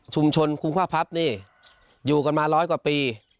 ชุมชนคุงคว่าพัพนี่อยู่กันมาร้อยกว่าปี